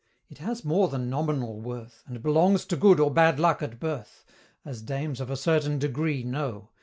it has more than nominal worth, And belongs to good or bad luck at birth As dames of a certain degree know.